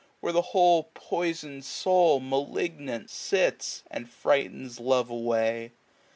Where the whole poisoix*d soul, malignant, sits. And frightens love away.